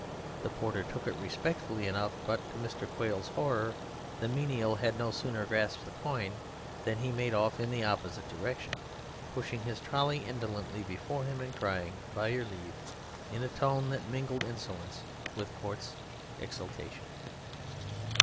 The porter took it respectfully enough, but to Mr. Quail's horror the menial had no sooner grasped the coin than he made off in the opposite direction, pushing his trolley indolently before him and crying "By your leave" in a tone that mingled insolence with a coarse exultation.